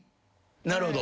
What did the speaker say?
なるほど。